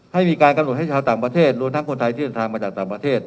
ให้มีการกำหนดให้ชาวต่างประเทศรวมทั้งคนไทยที่เดินทางมาจากต่างประเทศ